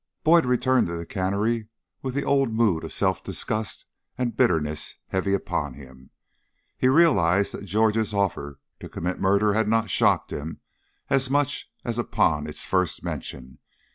Boyd returned to the cannery with the old mood of self disgust and bitterness heavy upon him. He realized that George's offer to commit murder had not shocked him as much as upon its first mention.